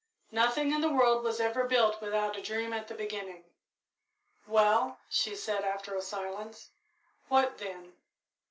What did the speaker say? Nothing in the world was ever built without a dream at the beginning." "Well," she said, after a silence "what then?"